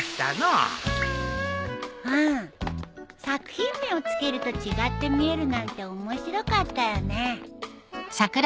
作品名を付けると違って見えるなんて面白かったよね。